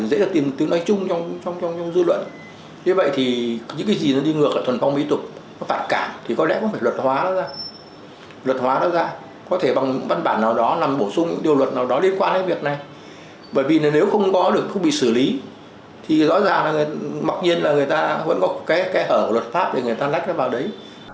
bởi vì nếu không có được không bị xử lý thì rõ ràng là mặc nhiên là người ta vẫn có cái hở luật pháp để người ta lách nó vào đấy